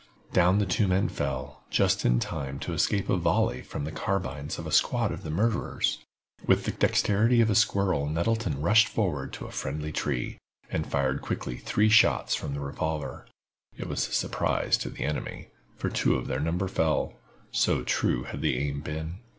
Down the two men fell, just in time to escape a volley from the carbines of a squad of the murderers. With the dexterity of a squirrel, Nettleton rushed forward to a friendly tree, and fired quickly three shots from the revolver. It was a surprise to the enemy, for two of their number fell, so true had the aim been.